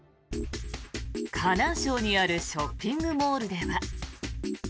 河南省にあるショッピングモールでは。